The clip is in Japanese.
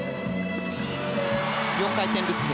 ４回転ルッツ。